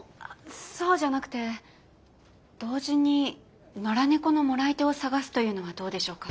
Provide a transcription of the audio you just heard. そうじゃなくて同時に野良猫の貰い手を探すというのはどうでしょうか？